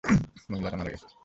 মহিলাটা মারা গেছে।